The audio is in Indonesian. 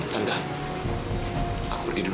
tanda aku pergi dulu